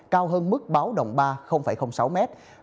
cao hơn mức báo đồng ba sáu m